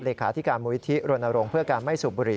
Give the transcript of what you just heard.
เลขาธิการมูลิธิรณรงค์เพื่อการไม่สูบบุหรี